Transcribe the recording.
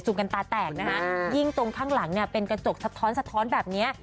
ซูมกันตาแตกนะคะยิ่งตรงข้างหลังเป็นกระจกสะท้อนแบบนี้